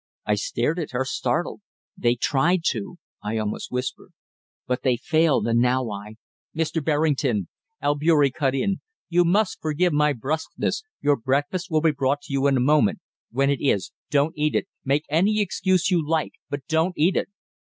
I stared at her, startled. "They tried to," I almost whispered. "But they failed, and now I " "Mr. Berrington," Albeury cut in, "you must forgive my brusqueness your breakfast will be brought to you in a moment; when it is, don't eat it. Make any excuse you like, but don't eat it."